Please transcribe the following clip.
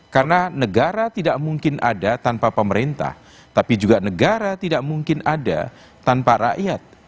karena negara tidak mungkin ada tanpa pemerintah tapi juga negara tidak mungkin ada tanpa rakyat